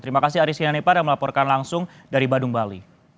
terima kasih aris yanipar yang melaporkan langsung dari badung bali